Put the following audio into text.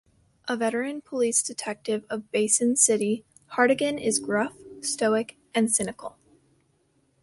A veteran police detective of Basin City, Hartigan is gruff, stoic, and cynical.